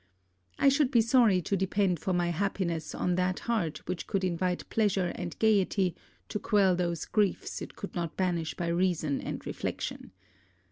I should be sorry to depend for my happiness on that heart which could invite pleasure and gaiety to quell those griefs it could not banish by reason and reflection.